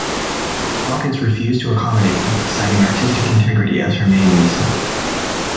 Hawkins refused to accommodate them, citing artistic integrity as her main reason.